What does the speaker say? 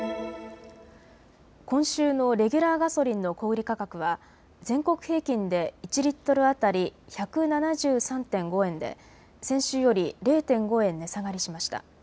今週のレギュラーガソリンの小売価格は全国平均で１リットル当たり１７３．５円で先週より０．５円値下がりしました。